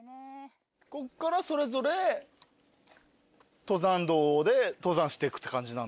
ここからそれぞれ登山道で登山してくって感じなんだ。